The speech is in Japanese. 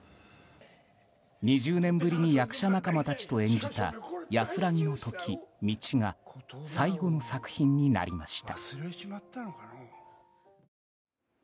２０年ぶりに役者仲間たちと演じた「やすらぎの刻道」が最後の作品になりました。